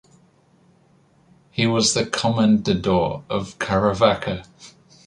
He was the comendador of Caravaca.